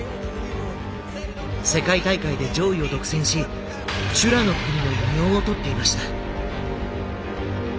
世界大会で上位を独占し「修羅の国」の異名をとっていました。